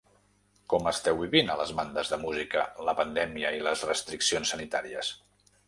Com esteu vivint a les bandes de música la pandèmia i les restriccions sanitàries?